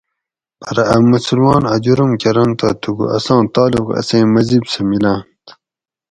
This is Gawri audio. پرہ اۤ مسلمان اۤ جرم کرنت تہ تھُکو اساں تعلق اسیں مذہِب سہۤ مِلاۤنت ؟